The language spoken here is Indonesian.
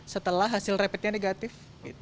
setelah hasil rapidnya negatif